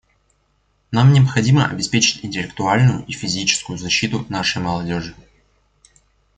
Нам необходимо обеспечить интеллектуальную и физическую защиту нашей молодежи.